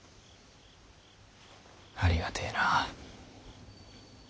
ありがてぇな。